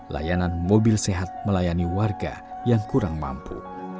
layanan mobil sehat melayani warga yang kurang mampu